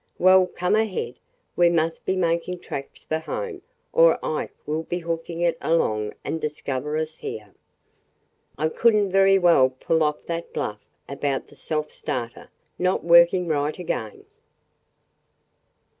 "Well, come ahead! We must be making tracks for home or Ike will be hoofing it along and discover us here. I could n't very well pull off that bluff about the self starter not working right again!"